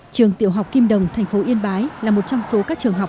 trường tiểu học kim đồng thành phố yên bái là một trong số các trường học